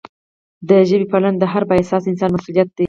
د ژبې پالنه د هر با احساسه انسان مسؤلیت دی.